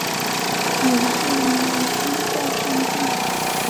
也是旅游宗教胜地。